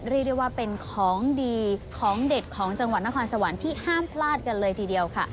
เรียกได้ว่าเป็นของดีของเด็ดของจังหวัดนครสวรรค์ที่ห้ามพลาดกันเลยทีเดียวค่ะ